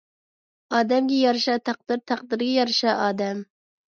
ئادەمگە يارىشا تەقدىر تەقدىرگە يارىشا ئادەم